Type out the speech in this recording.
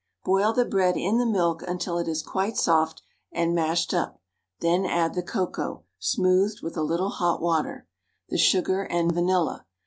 Boil the bread in the milk until it is quite soft and mashed up; then add the cocoa, smoothed with a little hot water, the sugar, and vanilla.